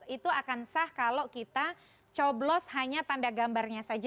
itu akan sah kalau kita coblos hanya tanda gambarnya saja